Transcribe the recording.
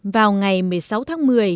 vào ngày một mươi sáu tháng một mươi